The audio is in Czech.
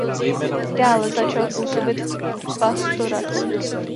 Dále začal působit v pastoraci.